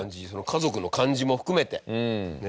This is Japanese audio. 家族の感じも含めてね。